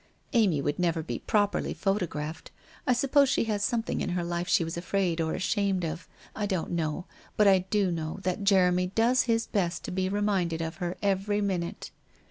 Amy would never be properly photographed — I suppose she had some* thing in her life she was afraid or ashamed of — I don't know, but I do know that Jeremy does his best to be rc~ minded of her every minute.